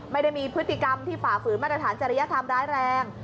ไม่ได้มีพฤติกรรมที่ฝ่าฝืนมาตรฐานจริยธรรมร้ายแรง